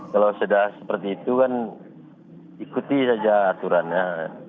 kalau sudah seperti itu kan ikuti saja aturannya